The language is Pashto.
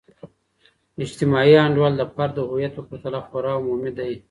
اجتماعي انډول د فرد د هویت په پرتله خورا عمومی دی.